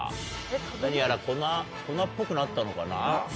何やら粉粉っぽくなったのかな。